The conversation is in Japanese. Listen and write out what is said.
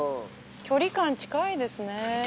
距離感近いですね。